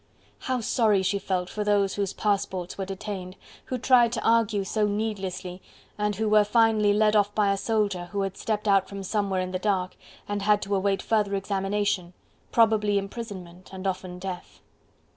How sorry she felt for those whose passports were detained: who tried to argue so needlessly! and who were finally led off by a soldier, who had stepped out from somewhere in the dark, and had to await further examination, probably imprisonment and often death.